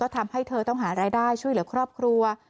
ทำให้เธอต้องหารายได้ช่วยเหลือครอบครัว